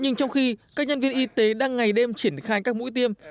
nhưng trong khi các nhân viên y tế đang ngày đêm triển khai các mũi tiêm